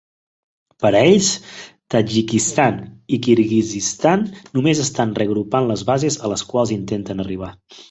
Per a ells, Tadjikistan i Kirguizistan només estan reagrupant les bases a les quals intenten arribar.